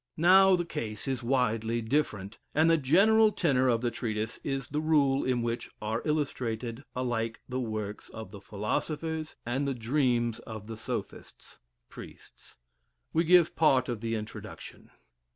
Now the case is widely different, and the general tenor of the treatise is the rule in which are illustrated alike the works of the philosophers and the dreams of the sophists (priests.) We give part of the introduction.